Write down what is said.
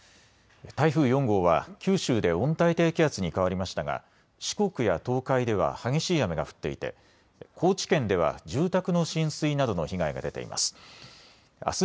台風４号は九州で温帯低気圧に変わりましたが四国や東海では激しい雨が降っていて高知県では住宅の浸水などの被害が出ています。